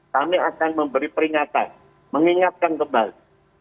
kami akan memberi peringatan mengingatkan kembali